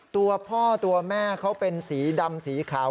ตัวพ่อตัวแม่เขาเป็นสีดำสีขาว